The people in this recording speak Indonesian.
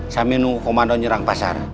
sama ini komando nyerang pasar